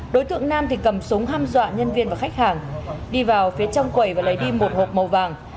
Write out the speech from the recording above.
đối tượng nam thì cầm súng ham dọa nhân viên và khách hàng đi vào phía trong quầy và lấy đi một hộp màu vàng